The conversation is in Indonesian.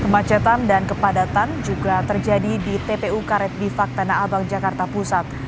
kemacetan dan kepadatan juga terjadi di tpu karet bifak tanah abang jakarta pusat